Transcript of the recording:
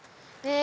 え？